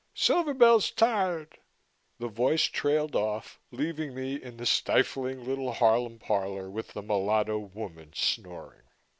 "Silver Bell's tired." The voice trailed off, leaving me in the stifling little Harlem parlor with the mulatto woman snoring.